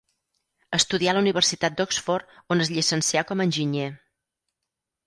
Estudià a la Universitat d'Oxford, on es llicencià com a enginyer.